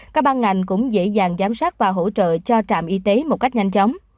các ban ngành cũng dễ dàng giám sát và hỗ trợ cho trạm y tế một cách nhanh chóng